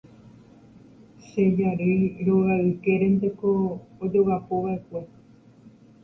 Che jarýi róga ykérenteko ajogapova'ekue.